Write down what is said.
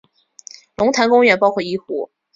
龙潭公园包括一湖。